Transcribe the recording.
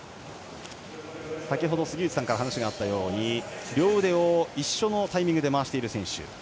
先ほど杉内さんから話があったように両腕を一緒のタイミングで回している選手。